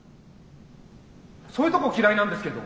そういうとこ嫌いなんですけど。